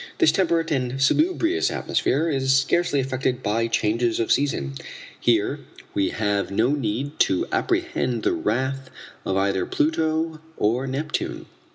This temperate and salubrious atmosphere is scarcely affected by changes of season. Here we have no need to apprehend the wrath of either Pluto or Neptune."